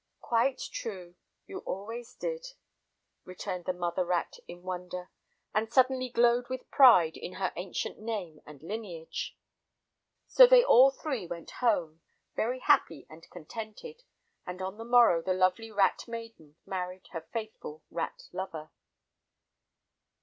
"Quite true! you always did," returned the mother rat in wonder, and suddenly glowed with pride in her ancient name and lineage. So they all three went home, very happy and contented, and on the morrow the lovely rat maiden married her faithful rat lover.